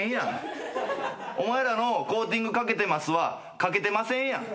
お前らの「コーティングかけてます」はかけてませんやん。